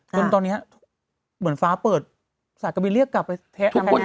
ต้องตอนเนี้ยเหมือนฟ้าเปิดศาลกรี๊นเรียกกลับไปแทะทุกคนหลับไปหมด